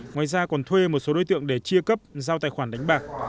ngoài ra còn thuê một số đối tượng để chia cấp giao tài khoản đánh bạc